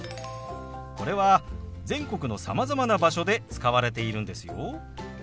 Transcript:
これは全国のさまざまな場所で使われているんですよ。